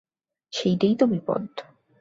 সেইটেই তো বিপদ।